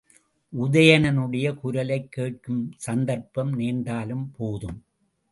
உதயணனுடைய குரலைக் கேட்கும் சந்தர்ப்பம் நேர்ந்தாலும் போதும்.